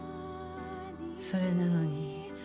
それなのに。